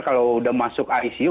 kalau sudah masuk icu